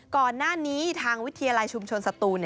ก่อนหน้านี้ทางวิทยาลัยชุมชนสตูน